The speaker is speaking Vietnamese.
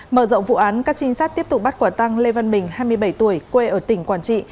mở rộng vụ án các trinh sát tiếp tục bắt quả tăng lê văn bình hai mươi bảy tuổi quê ở tỉnh quảng trị